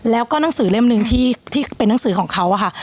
แล้วก็หนังสือเล่มหนึ่งที่เป็นหนังสือของเขาอะค่ะ